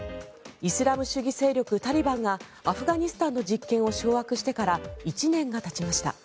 イスラム主義勢力タリバンがアフガニスタンの実権を掌握してから１年がたちました。